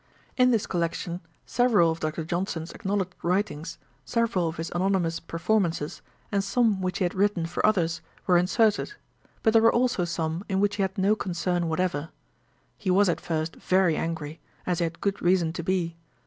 In this collection, several of Dr. Johnson's acknowledged writings, several of his anonymous performances, and some which he had written for others, were inserted; but there were also some in which he had no concern whatever. He was at first very angry, as he had good reason to be.